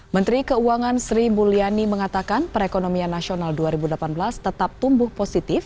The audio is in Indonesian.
menteri keuangan sri mulyani mengatakan perekonomian nasional dua ribu delapan belas tetap tumbuh positif